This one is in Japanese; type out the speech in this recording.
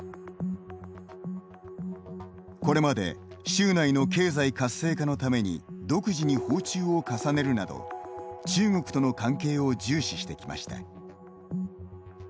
これまで州内の経済活性化のために独自に訪中を重ねるなど中国との関係を重視してきました。